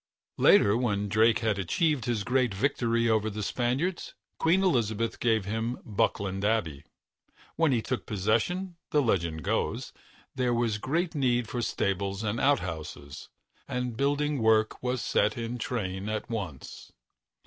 Later, when Drake had achieved his great victory over the Spaniards, Queen Elizabeth gave him Buckland Abbey. When he took possession, the legend goes, there was great need for stables and outhouses, and building work was set in train at once.